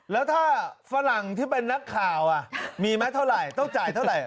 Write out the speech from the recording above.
แล้วถ้าฝรั่งที่เป็นนักข่าวมีไหมเท่าไหร่ต้องจ่ายเท่าไหร่